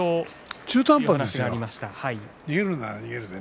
中途半端ですよ